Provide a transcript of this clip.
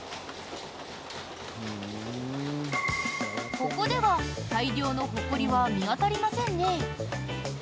ここでは、大量のほこりは見当たりませんね。